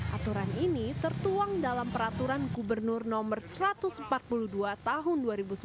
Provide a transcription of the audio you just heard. aturan ini tertuang dalam peraturan gubernur no satu ratus empat puluh dua tahun dua ribu sembilan belas